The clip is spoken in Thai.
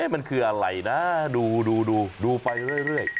มันคืออะไรนะดูไปเรื่อย